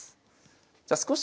じゃ少し